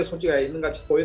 saya sangat tertarik